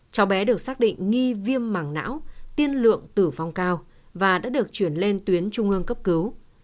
cháu bé được xác định nghi viêm mảng não tiên lượng tử vong cao và đã được chuyển lên tuyến trung ương cấp cứu